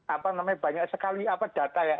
apa namanya banyak sekali data ya